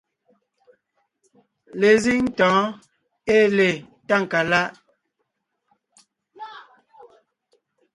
Lezíŋ tɔ̌ɔn ée le Tákaláʼ;